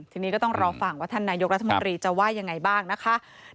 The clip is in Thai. ทีนี้ก็ต้องรอฟังว่าท่านนายกรัฐมนตรีจะว่ายังไงบ้างนะคะ